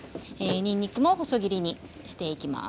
にんにくも細切りにしていきます。